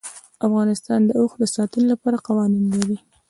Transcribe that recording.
افغانستان د اوښ د ساتنې لپاره قوانین لري.